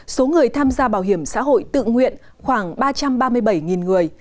số người tham gia bảo hiểm xã hội tự nguyện khoảng ba trăm ba mươi bảy người